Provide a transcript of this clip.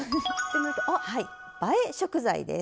はい映え食材です。